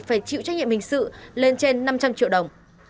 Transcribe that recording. phải chịu trách nhiệm hình sự lên trên năm trăm linh triệu đồng